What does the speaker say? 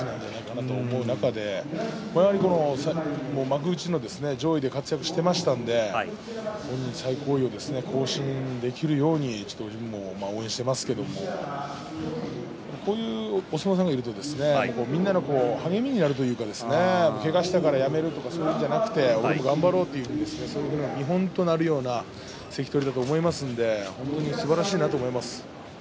幕内の上位でもともと活躍していましたので本人最高位を更新できるように応援していますけどこういうお相撲さんがいるとみんなの励みになるというかけがをしたから辞めるとかそういうことではなくて頑張ろうという見本になるような関取だと思いますのですばらしいなと思います。